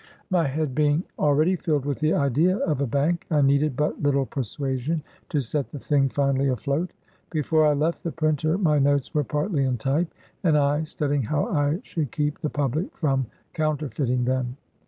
My head being already filled with the idea of a bank, I needed but little persuasion to set the thing finally afloat. Before I left the printer, my notes were partly in type, and I studying how I should keep the public from counter feiting them.